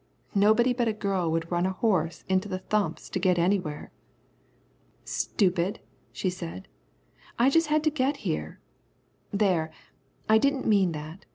Nobody but a girl would run a horse into the thumps to get anywhere." "Stupid," she said, "I've just had to get here, there, I didn't mean that.